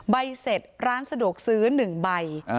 ใบเสร็จร้านสะดวกซื้อ๑ใบ